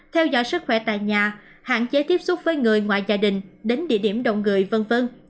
theo dõi sức khỏe tại nhà hạn chế tiếp xúc với người ngoài gia đình đến địa điểm đông người v v